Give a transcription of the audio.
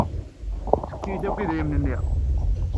Fket-iyi-d akk idrimen-nni.